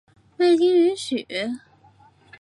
未经允许